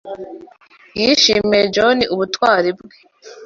Yishimiye John ubutwari bwe.